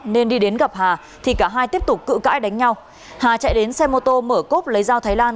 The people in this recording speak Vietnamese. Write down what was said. nên đi đến gặp hà thì cả hai tiếp tục cự cãi đánh nhau hà chạy đến xe mô tô mở cốp lấy dao thái lan